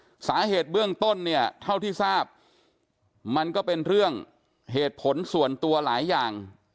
สาเหตุเบื้องต้นเนี่ยเท่าที่ทราบมันก็เป็นเรื่องเหตุผลส่วนตัวหลายอย่าง